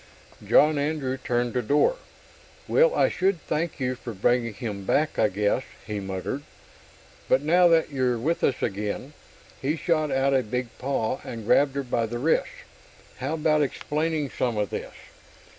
John Andrew turned to Dor. "Well, I should thank you for bringing him back, I guess," he muttered. "But now that you're with us again" he shot out a big paw and grabbed her by the wrist "how about explaining some of this?"